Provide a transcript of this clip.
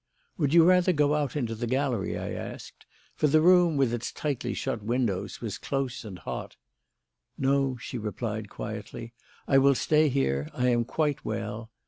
"Would you rather go out into the gallery?" I asked; for the room with its tightly shut windows was close and hot. "No," she replied quietly, "I will stay here. I am quite well."